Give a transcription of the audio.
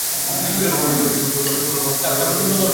কখনো দূর দিগন্ত ধরে চলা মাছধরা নৌকার দিকে তাকিয়ে ইশারা করেছেন।